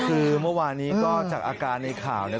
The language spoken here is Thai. คือเมื่อวานนี้ก็จากอาการในข่าวเนี่ย